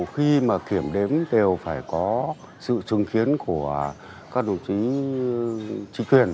khi mà kiểm đếm đều phải có sự chứng kiến của các đồng chí chính quyền